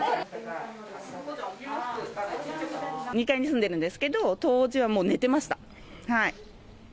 ２階に住んでるんですけど、当時はもう寝てました。